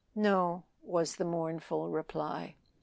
"No," was the mournful reply.